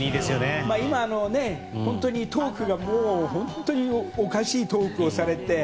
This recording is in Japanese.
今、本当にトークが本当におかしいトークをされて。